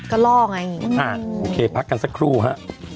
ก็ล่อง่ายงี้อ่าพักกันสักครู่ฮะ